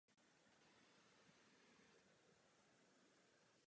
Čnělka je válcovitá a často bočně připojená k semeníku.